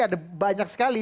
ada banyak sekali